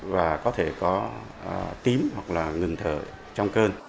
và có thể có tím hoặc là ngừng thở trong cơn